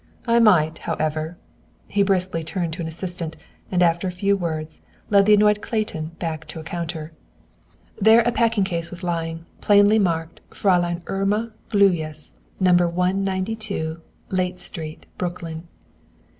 "I might, however," he briskly turned to an assistant, and after a few words, led the annoyed Clayton back to a counter. There a packing case was lying, plainly marked "Fräulein Irma Gluyas, No. 192 Layte Street, Brooklyn."